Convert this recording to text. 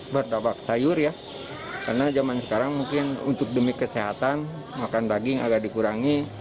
bertabak sayur ya karena zaman sekarang mungkin untuk demi kesehatan makan daging agak dikurangi